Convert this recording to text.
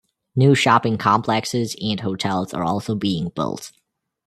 New shopping complexes and hotels are also being built.